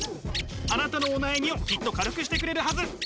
あなたのお悩みをきっと軽くしてくれるはず。